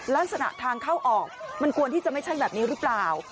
ลักษณะทางเข้าออกมันควรที่จะไม่ใช่แบบนี้หรือเปล่า